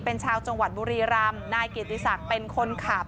เป็นชาวจังหวัดบุรีรำนายเกียรติศักดิ์เป็นคนขับ